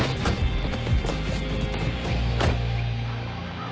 あっ！